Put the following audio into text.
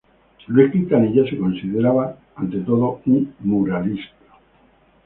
Luis Quintanilla se consideraba ante todo un muralista.